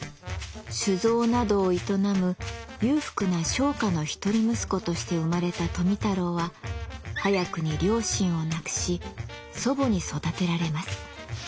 酒造などを営む裕福な商家の一人息子として生まれた富太郎は早くに両親を亡くし祖母に育てられます。